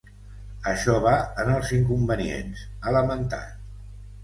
Això va en els inconvenients, ha lamentat.